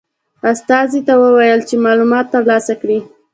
استازي ته وویل چې معلومات ترلاسه کړي.